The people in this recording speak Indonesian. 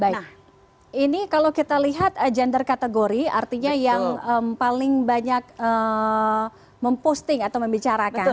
nah ini kalau kita lihat gender kategori artinya yang paling banyak memposting atau membicarakan